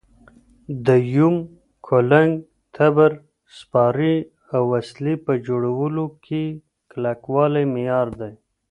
د بېل، کولنګ، تبر، سپارې او وسلې په جوړولو کې کلکوالی معیار دی.